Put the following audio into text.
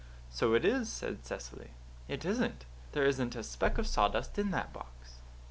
"So it is," said Cecily. "It isn't. There isn't a speck of sawdust in that box."